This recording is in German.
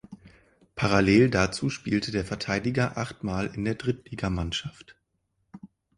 Parallel dazu spielte der Verteidiger achtmal in der Drittligamannschaft.